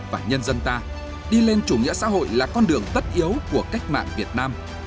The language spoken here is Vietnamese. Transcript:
và nhân dân ta đi lên chủ nghĩa xã hội là con đường tất yếu của cách mạng việt nam